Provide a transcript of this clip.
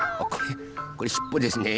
これしっぽですね。